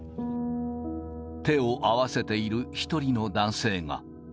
手を合わせている一人の男性が。